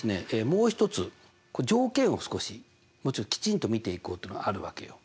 もう一つ条件を少しもうちょっときちんと見ていこうっていうのがあるわけよ。